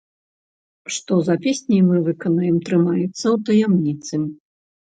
Што за песні мы выканаем, трымаецца ў таямніцы.